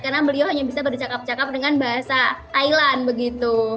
karena beliau hanya bisa bercakap cakap dengan bahasa thailand begitu